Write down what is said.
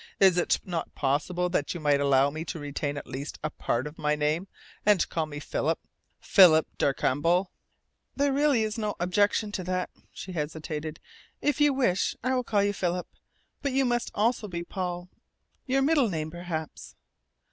"Is it not possible that you might allow me to retain at least a part of my name, and call me Philip? Philip Darcambal?" "There really is no objection to that," she hesitated. "If you wish I will call you Philip, But you must also be Paul your middle name, perhaps."